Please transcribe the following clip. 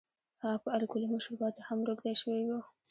هغه په الکولي مشروباتو هم روږدی شوی و.